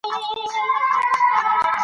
زه هره ورځ لږ تر لږه یو څه مطالعه کوم